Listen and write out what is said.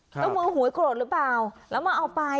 เจ้ามือหวยโกรธหรือเปล่าแล้วมาเอาไป